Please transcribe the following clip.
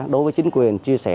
đối với chính quyền chia sẻ